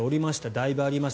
だいぶあります。